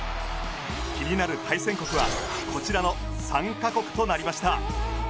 気になる対戦国はこちらの３カ国となりました。